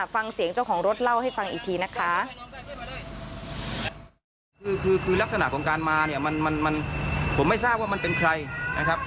ฟังเสียงเจ้าของรถเล่าให้ฟังอีกทีนะคะ